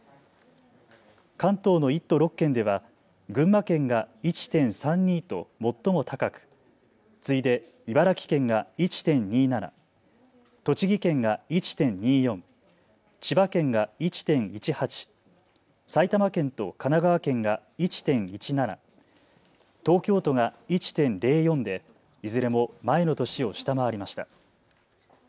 関東の１都６県では群馬県が１．３２と最も高く次いで茨城県が１．２７、栃木県が１．２４、千葉県が１．１８、埼玉県と神奈川県が１．１７、東京都が１．０４でいずれも前の年を下回りました。